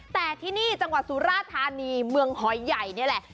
แต่ที่นี่จังหวัดสุราธานีเมืองหอยใหญ่นี่แหละ